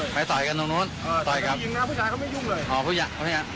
ไปต่อยกันตรงนู้นต่อยครับ